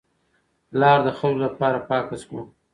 لار د خلکو لپاره پاکه شوه.